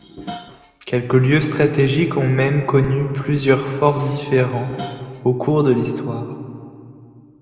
Quelques lieux stratégiques ont même connu plusieurs forts différents au cours de l'histoire.